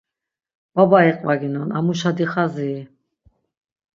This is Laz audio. Baba iqvaginon, amuşa dixaziri.